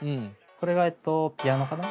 これがえっとピアノかな？